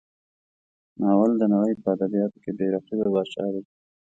ناول د نړۍ په ادبیاتو کې بې رقیبه پاچا دی.